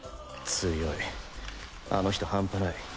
強いあの人半端ない。